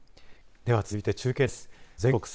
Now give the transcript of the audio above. では続いて中継です。